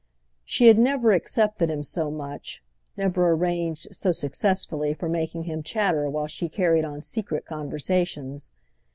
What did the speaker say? She had never accepted him so much, never arranged so successfully for making him chatter while she carried on secret conversations.